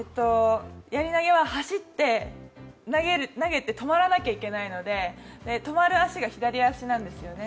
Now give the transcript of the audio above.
やり投げは走って投げて止まらなきゃいけないので、止まる足が左足なんですよね、